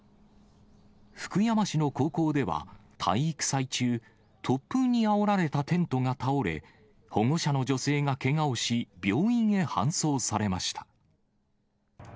福山市の高校では、体育祭中、突風にあおられたテントが倒れ、保護者の女性がけがをし、病院へ搬送されました。